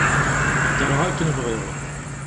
Ddreɣ akken bɣiɣ.